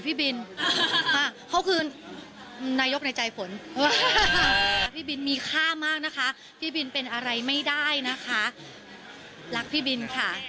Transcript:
พี่บินเป็นอะไรไม่ได้นะคะรักพี่บินค่ะ